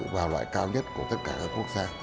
vào loại cao nhất của tất cả các quốc gia